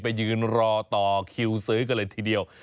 ไปยืนรอต่อคิวซื้อกันเลยทีเดียว